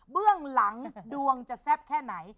เบื้องหลังดวงจะแซ่บแค่ไหน